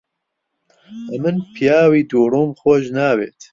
ئەمن پیاوی دووڕووم خۆش ناوێت.